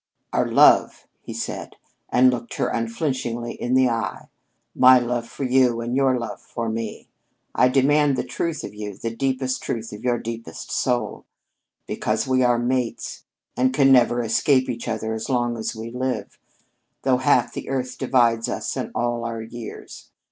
"Our love," he said, and looked her unflinchingly in the eye. "My love for you and your love for me. I demand the truth of you, the deepest truth of your deepest soul, because we are mates and can never escape each other as long as we live, though half the earth divides us and all our years.